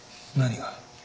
何が。